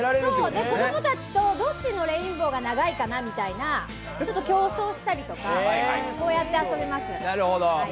子供たちとどっちのレインボーが長いかなみたいな競争したりとかこうやって遊べます。